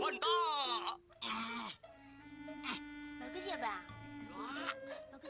untuk anak tak